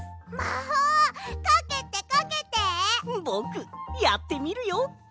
ぼくやってみるよ！